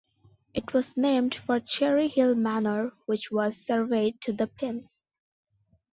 It was named for Cherry Hill Manor which was surveyed to the Penns.